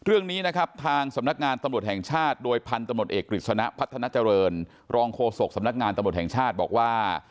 เรื่องนี้นะครับทางสำนักงานตำรวจแห่งชาติโดยพันธุ์ตำรวจเอกกฤษณะพัฒนาเจริญรองโฆษกสำนักงานตำรวจแห่งชาติบอกว่า